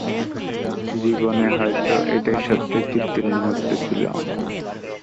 জীবনে হয়তো এটাই সবচেয়ে তৃপ্তির মুহূর্ত ছিল আমার।